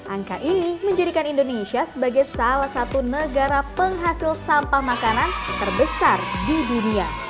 angka ini menjadikan indonesia sebagai salah satu negara penghasil sampah makanan terbesar di dunia